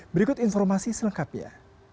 berikut informasi selengkapnya